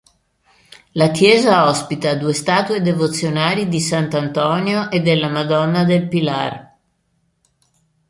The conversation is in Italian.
La chiesa ospita due statue devozionali di sant'Antonio e della Madonna del Pilar.